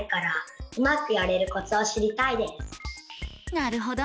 なるほど。